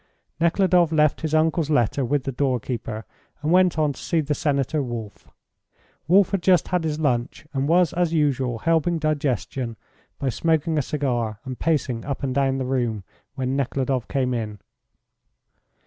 Nekhludoff left his uncle's letter with the doorkeeper and went on to see the Senator Wolf. Wolf had just had his lunch, and was as usual helping digestion by smoking a cigar and pacing up and down the room, when Nekhludoff came in.